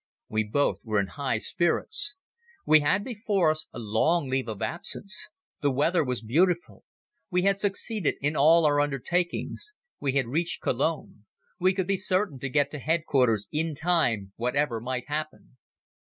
We both were in high spirits. We had before us a long leave of absence. The weather was beautiful. We had succeeded in all our undertakings. We had reached Cologne. We could be certain to get to Headquarters in time, whatever might happen.